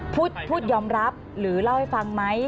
พูดยอมรับหรือเล่าให้ฟังไหม